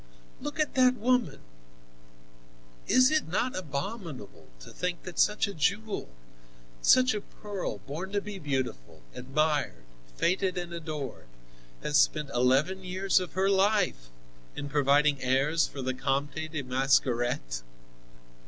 "Look at that woman! Is it not abominable to think that such a jewel, such a pearl, born to be beautiful, admired, feted and adored, has spent eleven years of her life in providing heirs for the Comte de Mascaret?"